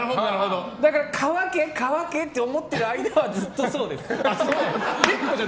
だから乾け乾けって思っている間はずっとそうです。